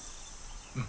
うん。